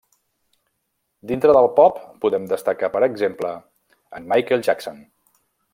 Dintre del pop podem destacar, per exemple, en Michael Jackson.